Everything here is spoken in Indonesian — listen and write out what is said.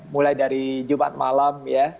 mulai dari jumat malam ya